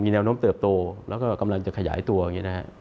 มีแนวน้ำเติบโตและกำลังจะขยายตัวอย่างนี้